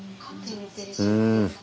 うん。